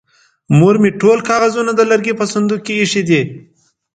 مور مې ټول کاغذونه د لرګي په صندوق کې ايښې دي.